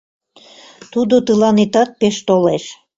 Тудо тыланетат пеш толеш.